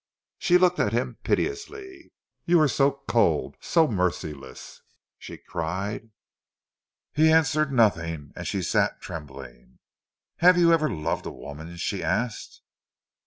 She looked at him piteously. "You are so cold—so merciless!" she cried. He answered nothing, and she sat trembling. "Have you ever loved a woman?" she asked.